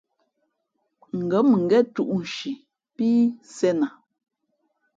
Ngα̌ mʉngén tūꞌ nshi pí sēn a.